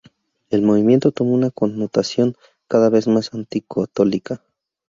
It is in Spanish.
El movimiento tomó una connotación cada vez más anticatólica.